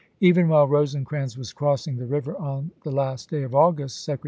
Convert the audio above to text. Even while Rosecrans was crossing the river on the last day of August, Secre im.